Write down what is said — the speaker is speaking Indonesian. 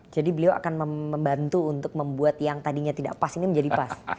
jadi beliau akan membantu untuk membuat yang tadinya tidak pas ini menjadi pas